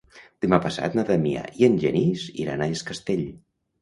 Demà passat na Damià i en Genís iran a Es Castell.